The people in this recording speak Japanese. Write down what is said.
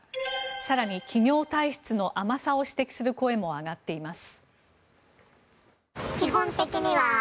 更に、企業体質の甘さを指摘する声も上がっています。